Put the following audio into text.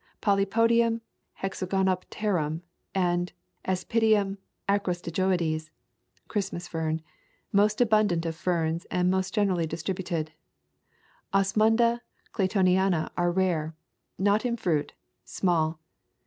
Polypodium — hexagonopterum and Aspidium acrostichoides [Christmas Fern] most abundant of ferns and most generally distributed. Osmunda claytoni ana rare, not in fruit, small.